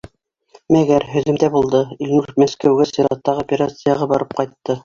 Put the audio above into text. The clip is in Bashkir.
Мәгәр, һөҙөмтә булды: Илнур Мәскәүгә сираттағы операцияға барып ҡайтты.